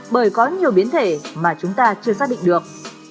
bởi có nhiều biến thể mà chúng ta chưa xác định được